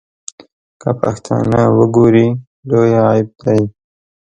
که پښتانه وګوري لوی عیب دی.